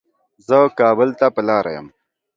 زه کابل ته په لاره يم